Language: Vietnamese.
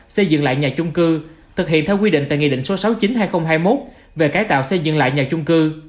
xây dựng lại nhà chung cư thực hiện theo quy định tại nghị định số sáu mươi chín hai nghìn hai mươi một về cải tạo xây dựng lại nhà chung cư